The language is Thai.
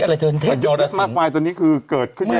อะไรเทพตรศิษย์มากมายตัวนี้คือเกิดขึ้นแล้ว